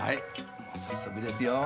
もう早速ですよ。